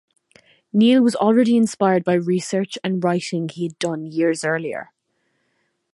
Neal was already inspired by research and writing he had done years earlier.